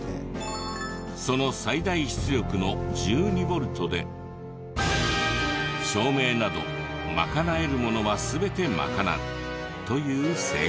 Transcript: その最大出力の１２ボルトで照明などまかなえるものは全てまかなうという生活。